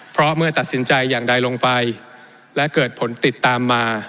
เพราะเมื่อตัดสินใจอย่างใดลงไปและเกิดผลติดตามมา